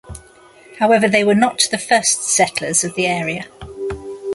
However they were not the first settlers of the area.